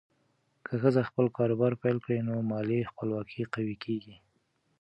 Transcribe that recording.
که ښځه خپل کاروبار پیل کړي، نو مالي خپلواکي قوي کېږي.